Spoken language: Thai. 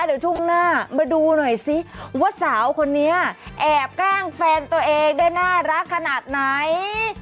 เดี๋ยวช่วงหน้ามาดูหน่อยซิว่าสาวคนนี้แอบแกล้งแฟนตัวเองได้น่ารักขนาดไหน